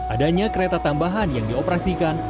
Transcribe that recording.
adanya kereta tambahan yang dioperasikan